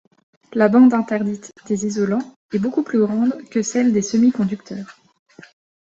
La bande interdite des isolants est beaucoup plus grande que celle des semi-conducteurs.